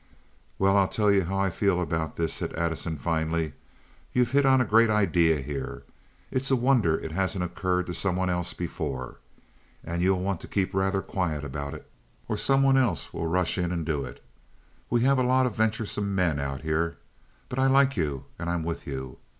"Well, I'll tell you how I feel about this," said Addison, finally. "You've hit on a great idea here. It's a wonder it hasn't occurred to some one else before. And you'll want to keep rather quiet about it, or some one else will rush in and do it. We have a lot of venturesome men out here. But I like you, and I'm with you.